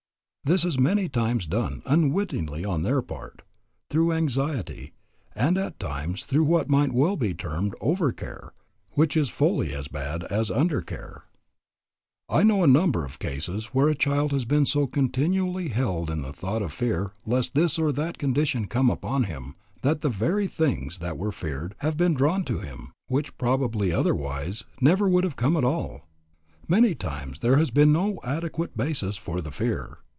This is many times done, unwittingly on their part, through anxiety, and at times through what might well be termed over care, which is fully as bad as under care. I know of a number of cases where a child has been so continually held in the thought of fear lest this or that condition come upon him, that the very things that were feared have been drawn to him, which probably otherwise never would have come at all. Many times there has been no adequate basis for the fear.